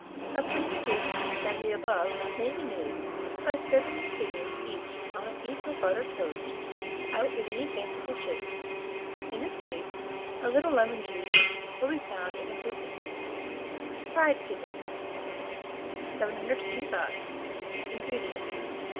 A prettier dish than the above may be made by serving the kidneys each on a piece of buttered toast out in any fanciful shape. In this case a little lemon juice will be found an improvement. [Illustration: KIDNEYS.] FRIED KIDNEYS. 725. INGREDIENTS.